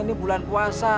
ini bulan puasa